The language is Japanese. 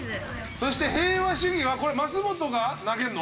そして平和主義はこれ増本が投げるの？